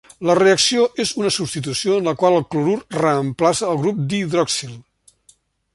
La reacció és una substitució en la qual el clorur reemplaça el grup d'hidroxil.